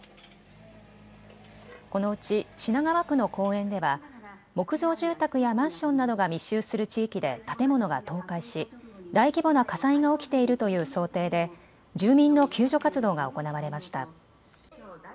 このうち品川区の公園では木造住宅やマンションなどが密集する地域で建物が倒壊し大規模な火災が起きているという想定で住民の救助活動が行われました。